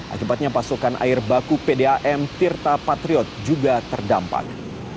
akibatnya pasokan air baku pdam tirta patriot juga terdampak